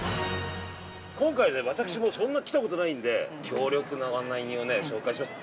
◆今回ね、私もそんな来たことないんで強力な案内人を紹介します。